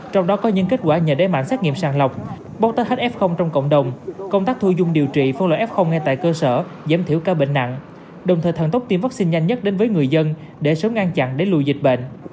trong đó có những kết quả nhờ đáy mạnh xét nghiệm sàng lọc bóc tách f trong cộng đồng công tác thu dung điều trị phân loại f ngay tại cơ sở giảm thiểu ca bệnh nặng đồng thời thần tốc tiêm vaccine nhanh nhất đến với người dân để sớm ngăn chặn để lùi dịch bệnh